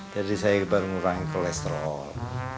jadi saya baru ngurangin kolesterol